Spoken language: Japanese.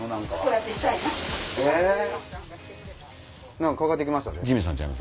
何かかかって来ましたで。